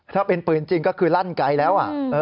ถ้าเป็นปืนจริงก็คือลั่นไกลแล้ว